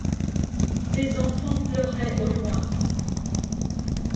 Des enfants pleuraient au loin.